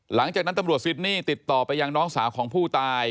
หลังจากนั้นตำรวจซิดนี่ติดต่อไปยังน้องสาวของผู้ตาย